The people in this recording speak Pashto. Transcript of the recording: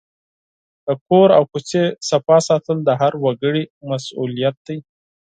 د کور او کوڅې پاک ساتل د هر وګړي مسؤلیت دی.